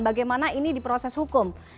bagaimana ini di proses hukum